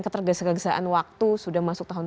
ketergesa kegesaan waktu sudah masuk tahun